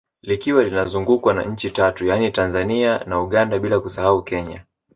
Likiwa linazungukwa na nchi Tatu yani Tanzania na Uganda bila kusahau Kenya